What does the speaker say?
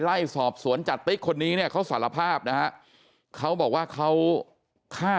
ไล่สอบสวนจัดติ๊กคนนี้เนี่ยเขาสารภาพนะฮะเขาบอกว่าเขาฆ่า